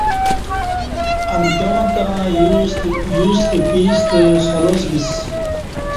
امکیاں تہ یوستہ پیستہ خلاس بیسی